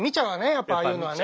やっぱああいうのはね。